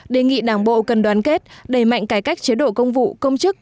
đề nghị đảng bộ cần đoàn kết đẩy mạnh cải cách chế độ công vụ công chức